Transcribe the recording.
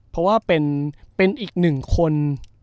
เพราะว่าเป็นอีกหนึ่งคน